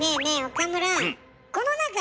岡村。